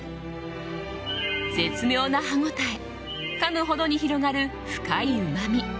絶妙な歯応えかむほどに広がる深いうまみ。